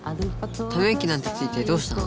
ため息なんてついてどうしたの？